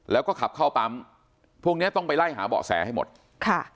แล้วก็ขับเข้าปั๊มพวกเนี้ยต้องไปไล่หาเบาะแสให้หมดค่ะ